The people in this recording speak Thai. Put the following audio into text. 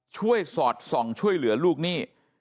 สอดส่องช่วยเหลือลูกหนี้